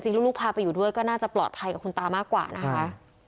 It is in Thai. ลูกพาไปอยู่ด้วยก็น่าจะปลอดภัยกับคุณตามากกว่านะคะ